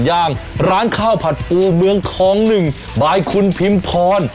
อย่างร้านข้าวผัดปูเมืองทอง๑บายคุณพิมพร